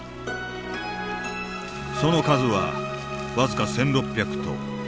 その数は僅か１６００頭。